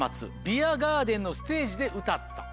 ビアガーデンのステージで歌った。